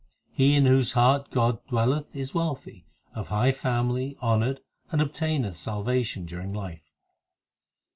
He in whose heart God dwelleth is wealthy, Of high family, honoured, and obtaineth salvation during life.